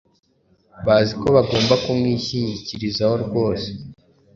Bazi ko bagomba kumwishingikirizaho rwose,